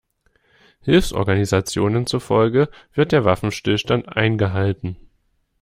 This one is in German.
Hilfsorganisationen zufolge wird der Waffenstillstand eingehalten.